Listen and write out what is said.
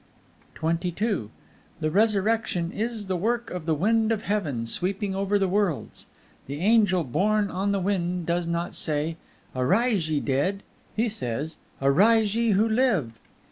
XXII The Resurrection is the work of the Wind of Heaven sweeping over the worlds. The angel borne on the Wind does not say: "Arise, ye dead"; he says, "Arise, ye who live!"